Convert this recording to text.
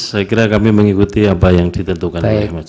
saya kira kami mengikuti apa yang ditentukan